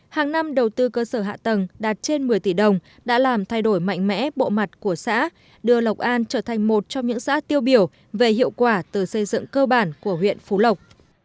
hàng năm đầu tư cơ sở hạ tầng đạt trên một mươi tỷ đồng đã làm thay đổi mạnh mẽ bộ mặt của xã đưa lộc an trở thành một trong những xã tiêu biểu về hiệu quả từ xây dựng cơ bản của huyện phú lộc